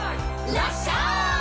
「らっしゃい！」